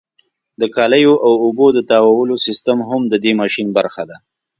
د کالیو او اوبو د تاوولو سیستم هم د دې ماشین برخه ده.